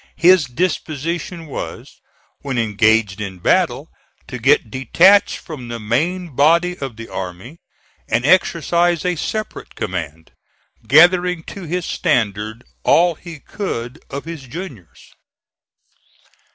His disposition was, when engaged in battle, to get detached from the main body of the army and exercise a separate command, gathering to his standard all he could of his juniors.